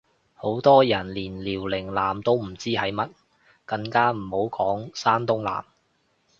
好多人連遼寧艦都唔知係乜，更加唔好講山東艦